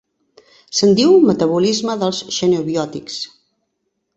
Se'n diu metabolisme dels xenobiòtics.